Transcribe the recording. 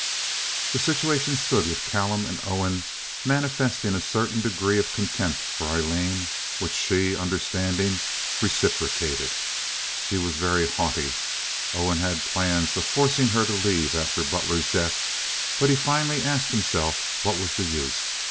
The situation stood with Callum and Owen manifesting a certain degree of contempt for Aileen, which she, understanding, reciprocated. She was very haughty. Owen had plans of forcing her to leave after Butler's death, but he finally asked himself what was the use. Mrs.